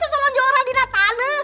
selama lamanya orang di sana